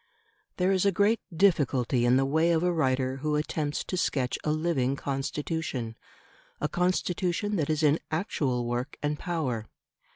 There is a great difficulty in the way of a writer who attempts to sketch a living Constitution a Constitution that is in actual work and power.